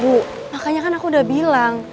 bu makanya kan aku udah bilang